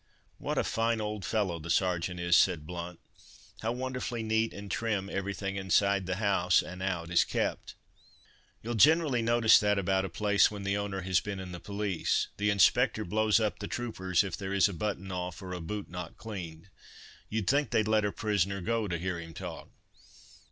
"What a fine old fellow the Sergeant is!" said Blount; "how wonderfully neat and trim everything inside the house and out is kept." "You'll generally notice that about a place when the owner has been in the police; the inspector blows up the troopers if there is a button off, or a boot not cleaned. You'd think they'd let a prisoner go, to hear him talk.